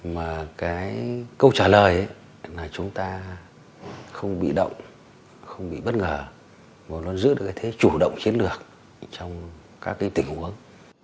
mà cái câu trả lời là chúng ta không bị động không bị bất ngờ mà nó giữ được cái thế chủ động chiến lược trong các cái tình huống